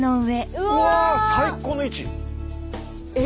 うわ最高の位置！